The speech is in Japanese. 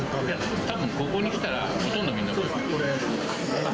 たぶん、ここに来たら、ほとんど、みんなこれ。